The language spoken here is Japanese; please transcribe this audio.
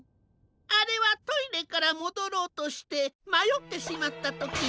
あれはトイレからもどろうとしてまよってしまったときだ。